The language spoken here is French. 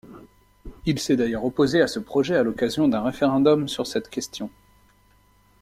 Il s’est d’ailleurs opposé à ce projet à l’occasion d’un référendum sur cette question.